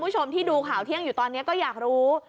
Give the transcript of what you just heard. นี่ที่ดูข่าวเที่ยงสุดเมื่อนี้จะอย่าทรู้